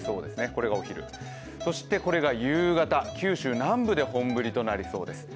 これがお昼、そしてこれが夕方九州南部で本降りとなりそうです。